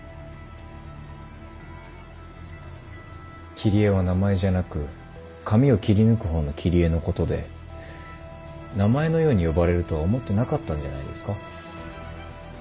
「キリエ」は名前じゃなく紙を切り抜く方の「切り絵」のことで名前のように呼ばれるとは思ってなかったんじゃないですか。